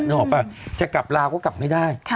ออกป่ะจะกลับลาวก็กลับไม่ได้